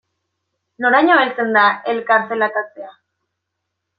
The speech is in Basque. Noraino heltzen da elkar zelatatzea?